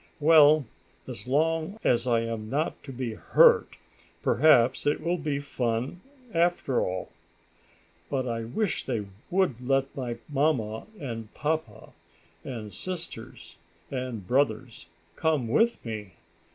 Well, as long as I am not to be hurt, perhaps it will be fun after all. But I wish they would let my mamma and papa, and sisters and brothers come with me.